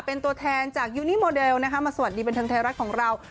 เป็นตัวแทนจากยูนิโมเดลนะคะมาสวัสดีบันเทิงไทยรัฐของเรา